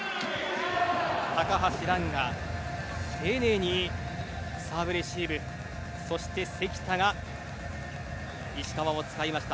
高橋藍が丁寧にサーブレシーブそして、関田が石川を使いました。